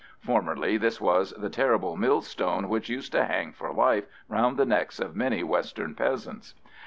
Formerly this was the terrible millstone which used to hang for life round the necks of many western peasants.